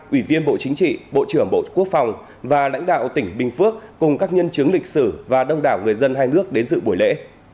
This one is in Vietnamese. ủy viên bộ chính trị bộ trưởng bộ quốc phòng và lãnh đạo tỉnh bình phước cùng các nhân chứng lịch sử và đông đảo người dân hai nước đến dự buổi lễ